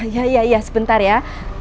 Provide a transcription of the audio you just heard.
ya ya ya sebentar ya